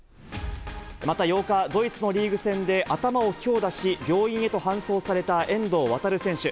また８日、ドイツのリーグ戦で頭を強打し、病院へと搬送された遠藤航選手。